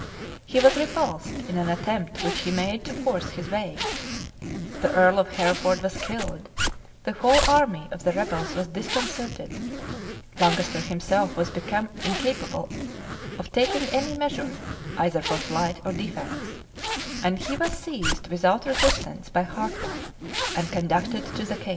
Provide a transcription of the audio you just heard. He was repulsed in an attempt which he made to force his way: the earl of Hereford was killed; the whole army of the rebels was disconcerted: Lancaster himself was become incapable of taking any measures either for flight or defence; and he was seized without resistance by Harcla, and conducted to the king.